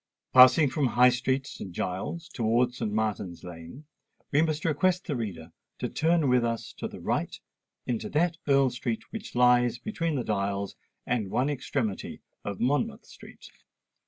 Passing from High Street, St. Giles's, towards St. Martin's Lane, we must request the reader to turn with us to the right into that Earl Street which lies between the Dials and one extremity of Monmouth Street.